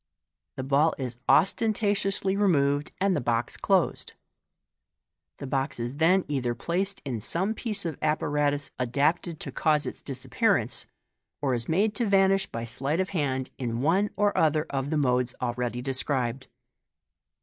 The ball is ost. niatiously removed, and the box closed. The ball is then either placed in some piece of apparatus adapted to cause its disappearance, or is made to vanish by sleight of hand in one or other of the modes already de scribed.